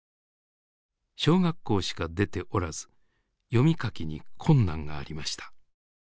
小学校しか出ておらず読み書きに困難がありました。